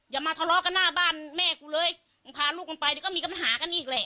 อย่ามาทะเลาะกันหน้าบ้านแม่กูเลยมึงพาลูกมึงไปเดี๋ยวก็มีปัญหากันอีกแหละ